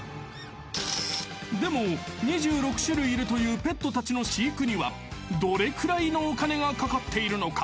［でも２６種類いるというペットたちの飼育にはどれくらいのお金がかかっているのか？］